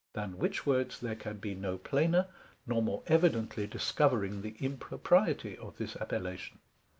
Then which words there can be no plainer, nor more evidently discovering the impropriety of this appellation.